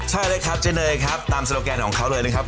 ใช่เลยครับเจ๊เนยครับตามโซโลแกนของเขาเลยนะครับ